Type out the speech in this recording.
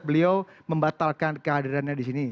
beliau membatalkan kehadirannya disini